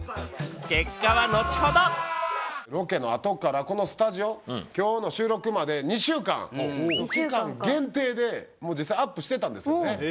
結果は後ほどロケのあとからこのスタジオ今日の収録まで２週間期間限定で実際アップしてたんですよね。